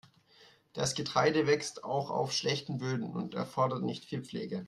Das Getreide wächst auch auf schlechten Böden und erfordert nicht viel Pflege.